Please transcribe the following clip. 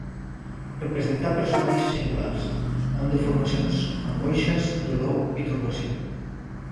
Representà personatges singulars, amb deformacions, angoixes, dolor i torbació.